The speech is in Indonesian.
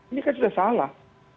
ini kan sudah salah